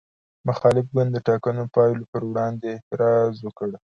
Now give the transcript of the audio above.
د مخالف ګوند د ټاکنو پایلو پر وړاندې اعتراض وکړ.